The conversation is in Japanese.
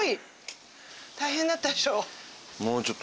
大変だったでしょ。